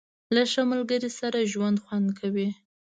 • له ښه ملګري سره ژوند خوند کوي.